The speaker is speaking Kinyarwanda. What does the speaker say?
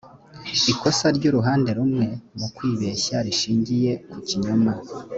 ikosa ry’uruhande rumwe mu kwibeshya rishingiye ku kinyoma